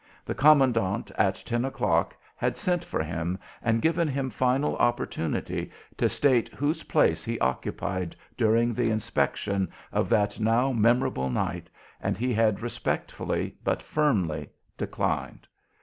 The commandant at ten o'clock had sent for him and given him final opportunity to state whose place he occupied during the inspection of that now memorable night, and he had respectfully but firmly declined.